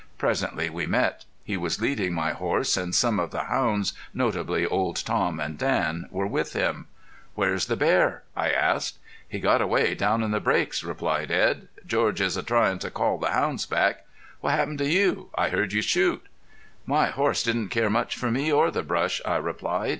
Presently we met. He was leading my horse, and some of the hounds, notably Old Tom and Dan, were with him. "Where's the bear?" I asked. "He got away down in the breaks," replied Edd. "George is tryin' to call the hounds back. What happened to you? I heard you shoot." "My horse didn't care much for me or the brush," I replied.